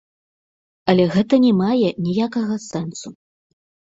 Але гэта не мае ніякага сэнсу.